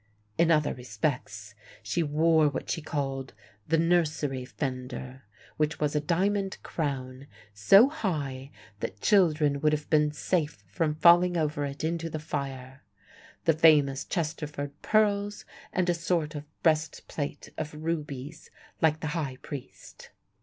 In other respects she wore what she called the "nursery fender," which was a diamond crown so high that children would have been safe from falling over it into the fire, the famous Chesterford pearls, and a sort of breast plate of rubies, like the High priest.